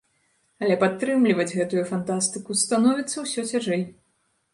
Але падтрымліваць гэтую фантастыку становіцца ўсё цяжэй.